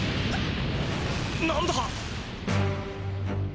何だ？